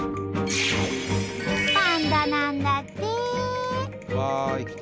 パンダなんだって！